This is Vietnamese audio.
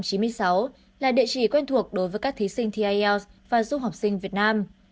từ năm một nghìn chín trăm chín mươi sáu là địa chỉ quen thuộc đối với các thí sinh thi ielts và du học sinh việt nam